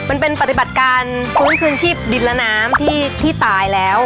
ปฏิบัติการฟื้นคืนชีพดินและน้ำที่ตายแล้ว